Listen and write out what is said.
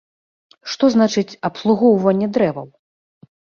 Што значыць, абслугоўванне дрэваў?